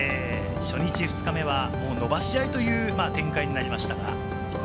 初日、２日目は、伸ばし合いという展開になりました。